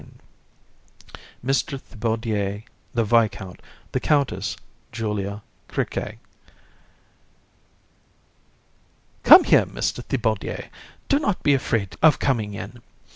MR. THIBAUDIER, THE VISCOUNT, THE COUNTESS, JULIA, CRIQUET. COUN. Come here, Mr. Thibaudier; do not be afraid of coming in.